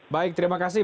baik terima kasih